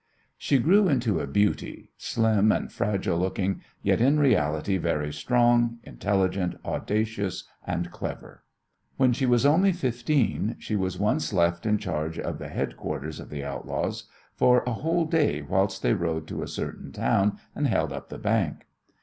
She grew into a beauty, slim and fragile looking, yet in reality very strong, intelligent, audacious and clever. When she was only fifteen she was once left in charge of the headquarters of the outlaws for a whole day whilst they rode to a certain town and held up the bank.